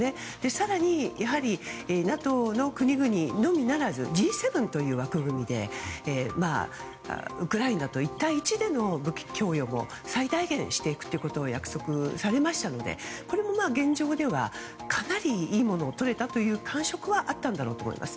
更に、やはりＮＡＴＯの国々のみならずＧ７という枠組みでウクライナと１対１での武器供与も最大限していくことを約束されましたのでこれも現状ではかなりいいものをとれたという感触はあったんだろうと思います。